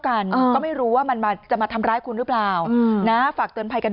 กันก็ไม่รู้ว่ามันมาจะมาทำร้ายคุณหรือเปล่านะฝากเตือนภัยกัน